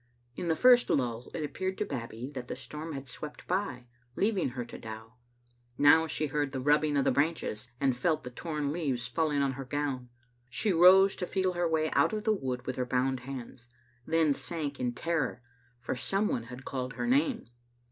In the first lull it appeared to Babbie that the storm had swept by, leaving her to Dow. Now she heard the rubbing of the branches, and felt the torn leaves falling on her gown. She rose to feel her way out of the wood with her bound hands, then sank in ter ror, for some one had called her name.